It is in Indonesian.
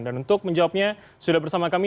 dan untuk menjawabnya sudah bersama kami